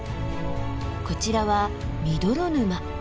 こちらは深泥沼。